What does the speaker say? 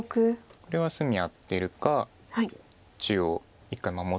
これは隅アテるか中央一回守って。